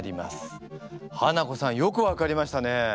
ハナコさんよく分かりましたね。